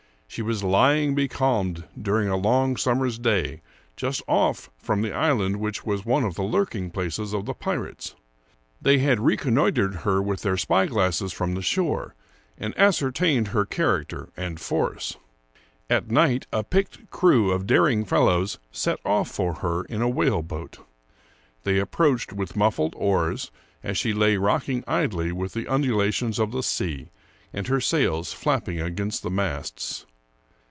She was lying becalmed during a long summer's day, just off from the island which was one of the lurking places of the pirates. They had reconnoitered her with their spyglasses from the shore, and ascertained her character and force. At night a picked crew of daring fellows set off for her in a whaleboat. They ap proached with muffled oars, as she lay rocking idly with the undulations of the sea, and her sails flapping against the masts.